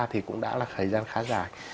thì cũng đã là thời gian khá dài